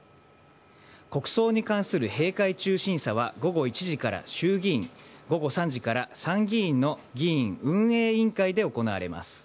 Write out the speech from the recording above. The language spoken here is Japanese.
国葬に関する閉会中審査は午後１時から衆議院午後３時から参議院の議院運営委員会で行われます。